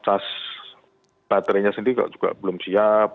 tas baterainya sendiri juga belum siap